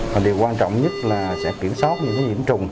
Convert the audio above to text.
và điều quan trọng nhất là sẽ kiểm soát những nhiễm trùng